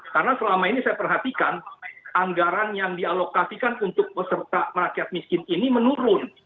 karena selama ini saya perhatikan anggaran yang dialokasikan untuk peserta masyarakat miskin ini menurun